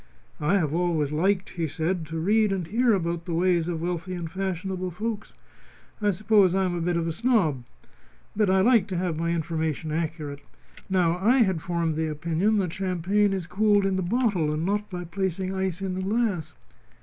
"I have always liked," he said, "to read and hear about the ways of wealthy and fashionable folks. I suppose I am a bit of a snob. But I like to have my information accurate. Now, I had formed the opinion that champagn is cooled in the bottle and not by placing ice in the glass."